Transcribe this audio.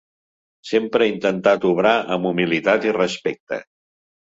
Sempre he intentat obrar amb humilitat i respecte.